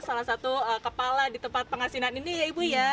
itu kepala di tempat pengasinan ini ya ibu ya